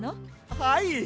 はい！